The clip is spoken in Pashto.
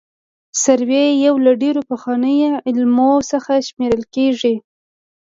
سروې یو له ډېرو پخوانیو علومو څخه شمېرل کیږي